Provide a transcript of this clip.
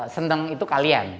seneng itu kalian